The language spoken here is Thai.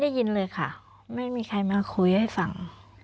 ได้ยินเลยค่ะไม่มีใครมาคุยให้ฟัง